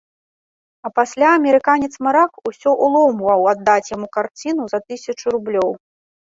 А пасля амерыканец-марак усё ўломваў аддаць яму карціну за тысячу рублёў.